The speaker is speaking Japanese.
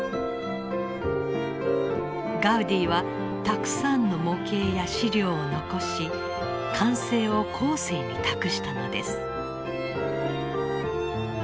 ガウディはたくさんの模型や資料を残し完成を後世に託したのです。